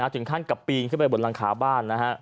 ถึงขั้นกับปีนขึ้นไปบนหลังคาบ้านนะฮะ